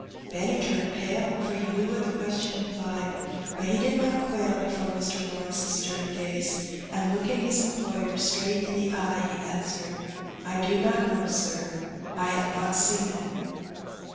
Benny turned pale, for he knew what the question im plied, but he did not quail before Mr. Lawrence's stem gaze, and, looking his employer straight in the eyes, he answered — "I do not know, sir; I have not seen it."